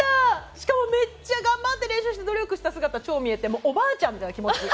しかもめっちゃ頑張って練習して努力した姿超見えておばあちゃんみたいな気持ち。